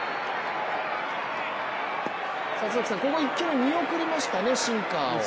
ここ１球目、見送りましたね、シンカーを。